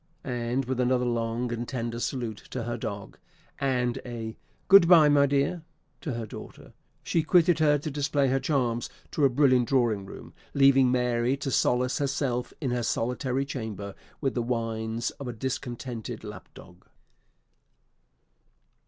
And, with another long and tender salute to her dog, and a "Good bye, my dear!" to her daughter, she quitted her to display her charms to a brilliant drawing room, leaving Mary to solace herself in her solitary chamber with the whines of a discontented lap dog.